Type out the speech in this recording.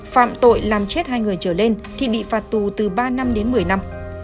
phạm tội làm chết hai người trở lên thì bị phạt tù từ ba năm đến một mươi năm